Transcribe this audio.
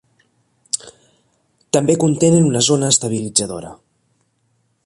També contenen una zona estabilitzadora.